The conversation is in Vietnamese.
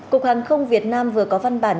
cục hàng không việt nam vừa có văn bản